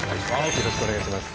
よろしくお願いします。